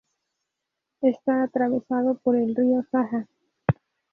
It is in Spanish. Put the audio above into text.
Está atravesado por el río Saja.